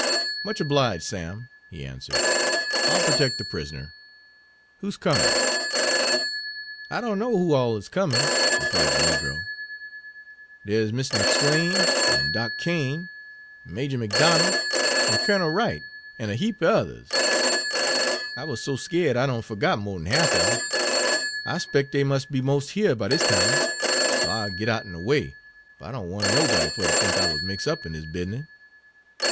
"Much obliged, Sam," he answered. "I'll protect the prisoner. Who 's coming?" "I dunno who all is comin'," replied the negro. "Dere's Mistah McSwayne, en Doc' Cain, en Maje' McDonal', en Kunnel Wright, en a heap er yuthers. I wuz so skeered I done furgot mo'd'n half un em. I spec' dey mus' be mos' here by dis time, so I'll git outen de way, fer I don' want nobody fer ter think I wuz mix' up in dis business."